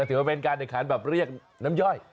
ถือว่าเป็นการแข่งขันแบบเรียกน้ำย่อย